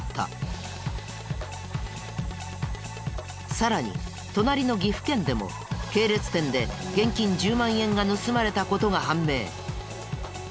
さらに隣の岐阜県でも系列店で現金１０万円が盗まれた事が判明。